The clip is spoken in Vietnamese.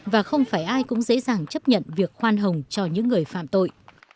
và không phải ai cũng dễ dàng chấp nhận việc khoan hồng cho những người phạm tội